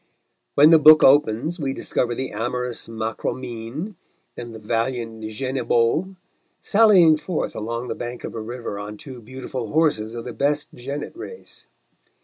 When the book opens we discover the amorous Marcomine and the valiant Genebaud sallying forth along the bank of a river on two beautiful horses of the best jennet race.